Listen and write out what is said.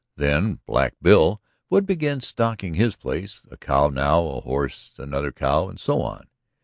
Then Black Bill would begin stocking his place, a cow now, a horse, another cow, and so on.